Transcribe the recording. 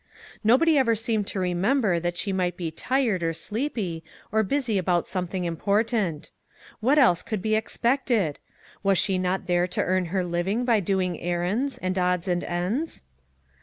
Nobody ever seemed to remember that she might be tired, or sleepy, or busy about something im portant. What else could be expected? Was she not there to earn her living by doing errands, and odds and ends